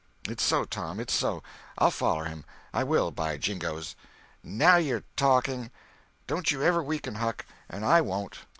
"It's so, Tom, it's so. I'll foller him; I will, by jingoes!" "Now you're talking! Don't you ever weaken, Huck, and I won't."